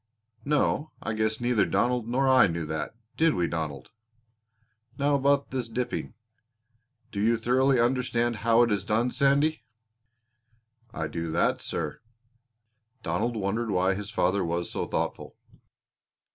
"No, I guess neither Donald nor I knew that, did we, Donald? Now about this dipping do you thoroughly understand how it is done, Sandy?" "I do that, sir." Donald wondered why his father was so thoughtful.